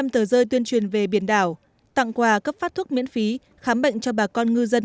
một trăm linh tờ rơi tuyên truyền về biển đảo tặng quà cấp phát thuốc miễn phí khám bệnh cho bà con ngư dân